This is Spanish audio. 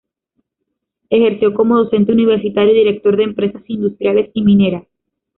Ejerció como docente universitario y director de empresas industriales y mineras.